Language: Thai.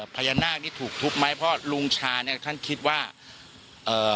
พญานาคนี่ถูกทุบไหมเพราะลุงชาเนี่ยท่านคิดว่าเอ่อ